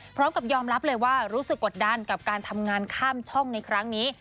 พร้อมกับยอมรับเลยว่ารู้สึกกดดันกับการทำงานข้ามช่องในครั้งนี้